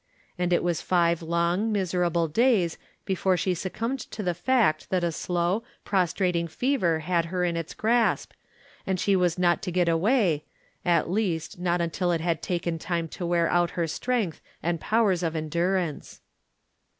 And it was five "long, miserable days before she sue From Different Standpoints. 311 cumbed to the fact that a slow, prostrating fever had her in its grasp, and she was not to get away — at least, not until it had taken time to wear out her strength and powers of endurance.